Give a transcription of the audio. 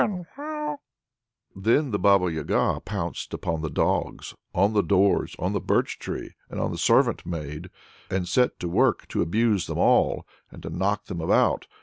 Then the Baba Yaga pounced upon the dogs, on the doors, on the birch tree, and on the servant maid, and set to work to abuse them all, and to knock them about.